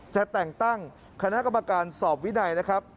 จะแต่งตั้งคณะกรรมการสอบวินัยนะครับ